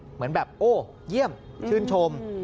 เหมือนแบบโอ้เยี่ยมชื่นชม